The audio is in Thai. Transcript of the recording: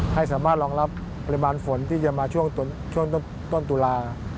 ให้สามารถรองรับปริมาณฝนที่จะมาช่วงต้นตุลา